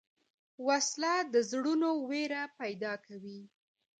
وسله د زړونو وېره پیدا کوي